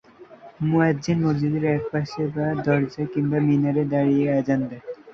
মুআয্যিন মসজিদের এক পাশে বা দরজায় কিংবা মিনারে দাঁড়িয়ে আযান দেন।